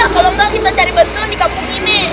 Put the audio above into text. kalau enggak kita cari bantuan di kampung ini